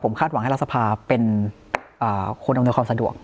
คาดหวังให้รัฐสภาเป็นคนอำนวยความสะดวก